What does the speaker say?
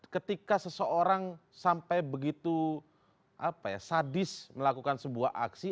ketika seseorang sampai begitu sadis melakukan sebuah aksi